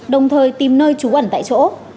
đồng thời tìm nơi trú ẩn tại chỗ